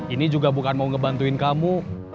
ini juga bukan mau ngebantuin kamu